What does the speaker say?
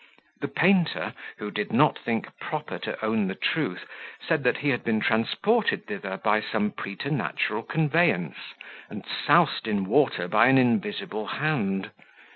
The painter, who did not think proper to own the truth, said, that he had been transported thither by some preternatural conveyance, and soused in water by an invisible hand.